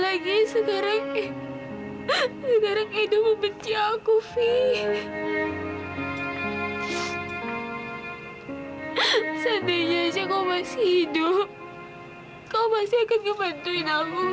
aku harus gimana fiji bantuin aku